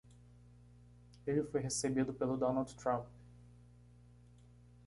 Ele foi recebido pelo Donald Trump.